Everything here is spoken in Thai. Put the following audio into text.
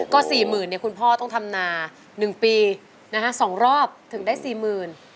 ก็๔มูลนี้คุณพ่อต้องทำหนา๑ปี๒รอบถึงได้๔มูล